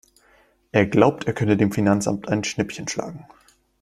Er glaubt, er könne dem Finanzamt ein Schnippchen schlagen.